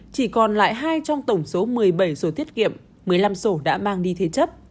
chỉ còn lại hai trong tổng số một mươi bảy sổ tiết kiệm một mươi năm sổ đã mang đi thế chấp